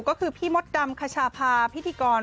ก็คือพี่มดดำคชาพาพิธีกร